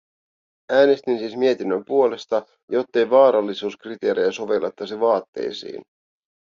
Äänestin siis mietinnön puolesta, jottei vaarallisuuskriteerejä sovellettaisi vaatteisiin.